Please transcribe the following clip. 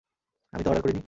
আমি তো অর্ডার করিনি।